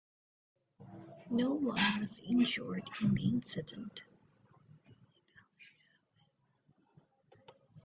No one was injured in the incident.